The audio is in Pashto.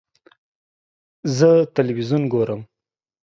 زه تلویزیون ګورم